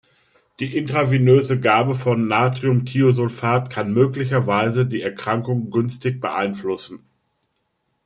Die intravenöse Gabe von Natriumthiosulfat kann möglicherweise die Erkrankung günstig beeinflussen.